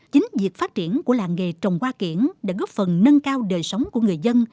chính việc phát triển của làng nghề trồng hoa kiển đã góp phần nâng cao đời sống của người dân